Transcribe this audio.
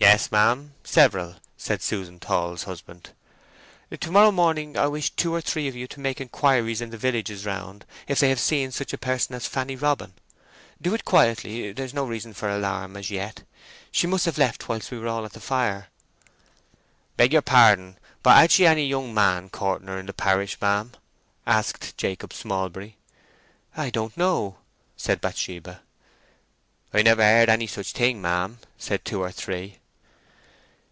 "Yes, ma'am, several," said Susan Tall's husband. "To morrow morning I wish two or three of you to make inquiries in the villages round if they have seen such a person as Fanny Robin. Do it quietly; there is no reason for alarm as yet. She must have left whilst we were all at the fire." "I beg yer pardon, but had she any young man courting her in the parish, ma'am?" asked Jacob Smallbury. "I don't know," said Bathsheba. "I've never heard of any such thing, ma'am," said two or three.